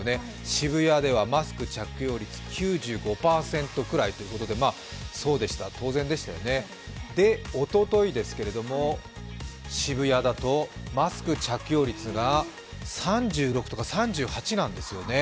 渋谷にはマスク着用率９５％くらいということで、当然ですよね、おとといですけど、渋谷だとマスク着用率が３６とか３８なんですよね。